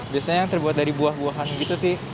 biasanya yang terbuat dari buah buahan gitu sih